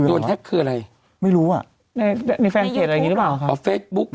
อ๋อโดนแฮกคืออะไรไม่รู้อ่ะในแฟนเพจอะไรอย่างนี้หรือเปล่าค่ะ